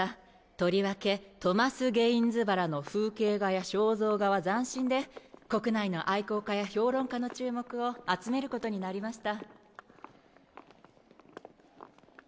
とりわけトマス・ゲインズバラの風景画や肖像画は斬新で国内の愛好家や評論家の注目を集めることになりました。